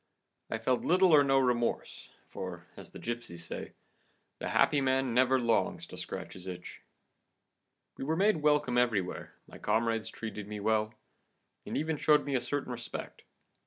I felt little or no remorse, for, as the gipsies say, 'The happy man never longs to scratch his itch.' We were made welcome everywhere, my comrades treated me well, and even showed me a certain respect.